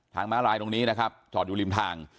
ม้าลายตรงนี้นะครับจอดอยู่ริมทาง